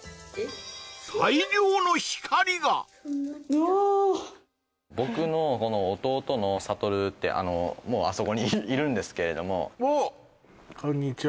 うわ僕の弟の想ってあそこにいるんですけれどもおっこんにちは